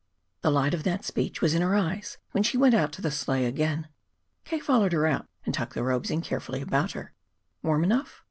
The light of that speech was in her eyes when she went out to the sleigh again. K. followed her out and tucked the robes in carefully about her. "Warm enough?"